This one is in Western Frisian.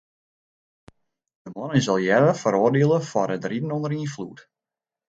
De man is al earder feroardiele foar it riden ûnder ynfloed.